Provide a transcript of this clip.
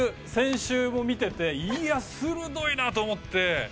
先週も見てて、いや、すごいなと思って。